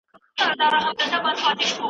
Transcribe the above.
جنراتورونه په روغتونونو کي ولي مهم دي؟